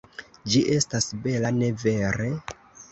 Ĝi estas bela, ne vere?